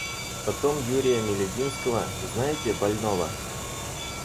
Потом Юрия Мелединского — знаете, больного?